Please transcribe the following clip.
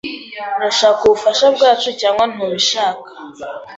Urashaka ubufasha bwacu cyangwa ntubishaka?